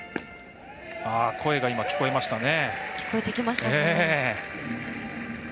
声が聞こえましたね。